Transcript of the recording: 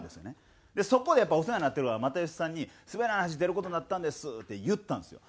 そこでやっぱりお世話になってる又吉さんに「『すべらない話』出る事になったんです」って言ったんですよ。